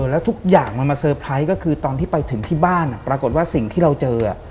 แล้วทุกอย่างมันมาเตอร์ไพรส์ก็คือตอนที่ไปถึงที่บ้านปรากฏว่าสิ่งที่เราเจอ